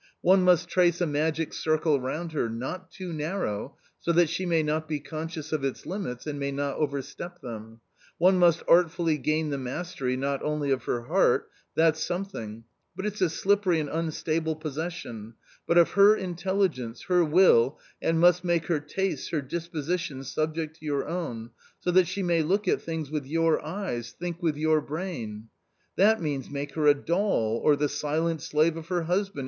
One must trace a magic circle round her, not too narrow, so that she may not be conscious of its limits and may not overstep them ; one must artfully gain the mastery not only of her heart — that's something, but it's a slippery and unstable possession — but of her intelligence, her will, and must make her tastes, her disposition subject to your own, so that she may look at things with your eyes, think with your brain." " That means, make her a doll, or the silent slave of her _ husband